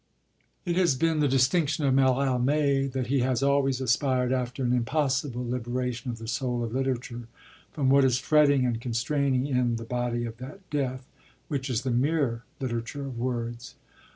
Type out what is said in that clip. It has been the distinction of Mallarmé that he has always aspired after an impossible liberation of the soul of literature from what is fretting and constraining in 'the body of that death,' which is the mere literature of words.